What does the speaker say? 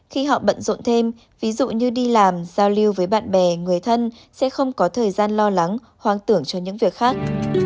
khi họ bận rộn thêm ví dụ như đi làm giao lưu với bạn bè người thân sẽ không có thời gian lo lắng hoang tưởng cho những việc khác